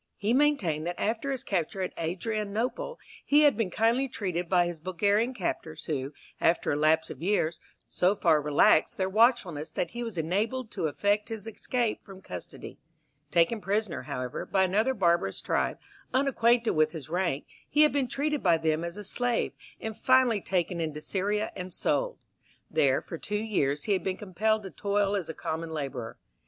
He maintained that after his capture at Adrianople he had been kindly treated by his Bulgarian captors, who, after a lapse of years, so far relaxed their watchfulness that he was enabled to effect his escape from custody; taken prisoner, however, by another barbarous tribe, unacquainted with his rank, he had been treated by them as a slave, and finally taken into Syria and sold. There for two years he had been compelled to toil as a common labourer.